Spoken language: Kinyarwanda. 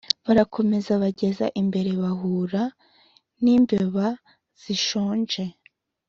Barakomeza, bageze imbere bahura n' imbeba zishonje